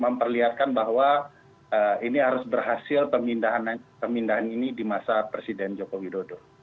memperlihatkan bahwa ini harus berhasil pemindahan ini di masa presiden joko widodo